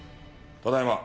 ただいま。